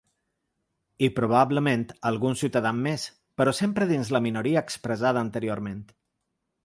I probablement alguns ciutadans més, però sempre dins la minoria expressada anteriorment.